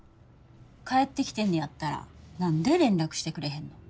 帰ってきてんねやったら何で連絡してくれへんの？